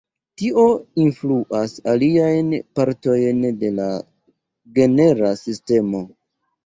Tio influas aliajn partojn de la genera sistemo.